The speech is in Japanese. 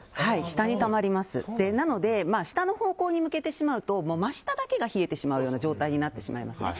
なので、下の方向に向けてしまうと真下だけが冷えてしまうような状態になってしまうんですね。